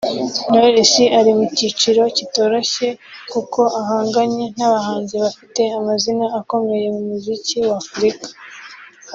Knowless ari mu cyiciro kitoroshye kuko ahanganye n’abahanzi bafite amazina akomeye mu muziki wa Afurika